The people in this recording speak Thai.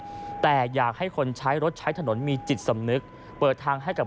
แต่อยากให้คนใช้รถใช้ถนนมีจิตสำนึกเปิดทางให้กับ